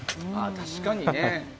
確かにね。